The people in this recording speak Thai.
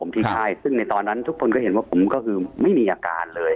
ที่ค่ายซึ่งในตอนนั้นทุกคนก็เห็นว่าผมก็คือไม่มีอาการเลย